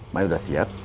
may udah siap